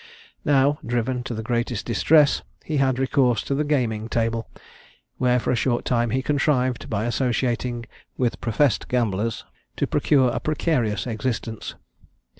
Now, driven to the greatest distress, he had recourse to the gaming table, where for a short time he contrived, by associating with professed gamblers, to procure a precarious existence.